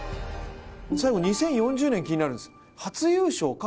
最後の２０４０年、気になるんですが「初優勝？」